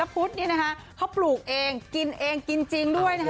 พุทธนี่นะคะเขาปลูกเองกินเองกินจริงด้วยนะคะ